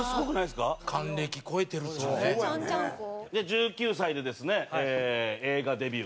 １９歳でですね映画デビュー。